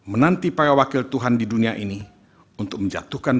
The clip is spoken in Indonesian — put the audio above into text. menanti para wakil tuhan di dunia ini untuk menjatuhkan